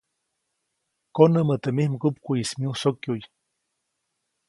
Konämä teʼ mij mgupkuʼyis myusokyuʼy.